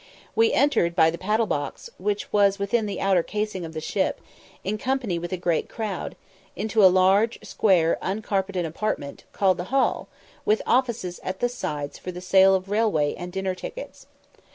We entered by the paddle box (which was within the outer casing of the ship), in company with a great crowd, into a large square uncarpeted apartment, called the "Hall," with offices at the sides for the sale of railway and dinner tickets.